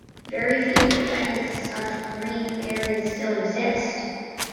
Very few if any such green areas still exist.